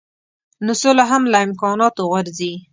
نو سوله هم له امکاناتو غورځي.